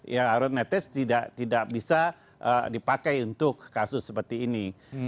ya road netize tidak bisa dipakai untuk kasus seperti ini